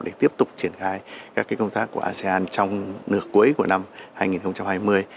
để tiếp tục triển khai các công tác của asean trong nửa cuối của năm hai nghìn hai mươi